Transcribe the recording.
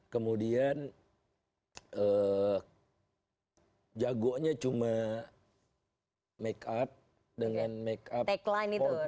kemudian jagonya cuma make up dengan make up line empat